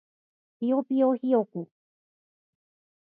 ぴよぴよひよこ